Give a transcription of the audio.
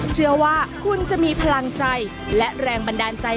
เชื่อว่าคุณจะมีพลังใจและแรงบันดาลใจ